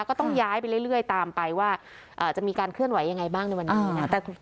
ก็ต้องย้ายไปเรื่อยตามไปว่าจะมีการเคลื่อนไหวยังไงบ้างในวันนี้นะ